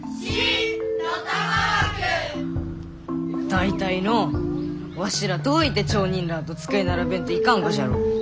大体のうわしらどういて町人らあと机並べんといかんがじゃろう？